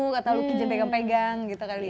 kata lucky dia pegang pegang gitu kali ya